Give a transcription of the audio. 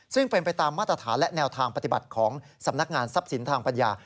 ซึ่งเป็นไปตามมาตรฐานและแนวทางปฏิบัติของสำนักงานทรัพย์สินทางปัญญา